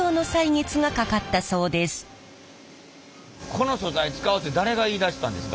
この素材使おうって誰が言いだしたんですか？